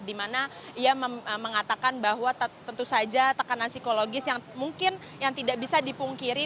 dimana ia mengatakan bahwa tentu saja tekanan psikologis yang mungkin yang tidak bisa dipungkiri